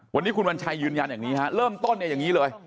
วันนี้คุณวัญชัยยืนยันอย่างนี้ฮะเริ่มต้นเนี่ยอย่างนี้เลย